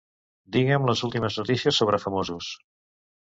Digue'm les últimes notícies sobre famosos.